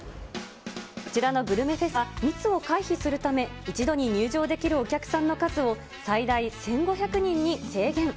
こちらのグルメフェスは、密を回避するため、一度に入場できるお客さんの数を最大１５００人に制限。